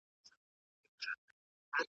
ولې کورنۍ اندېښنه لري؟